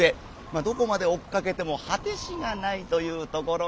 どこまでおっかけてもはてしがないというところが」。